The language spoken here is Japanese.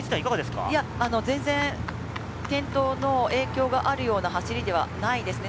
全然、転倒の影響があるような走りではないですね。